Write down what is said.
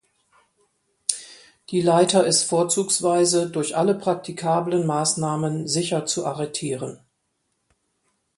Die Leiter ist vorzugsweise durch alle praktikablen Maßnahmen sicher zu arretieren.